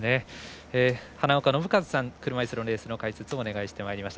花岡伸和さんに車いすのレースの解説をお願いしてまいりました。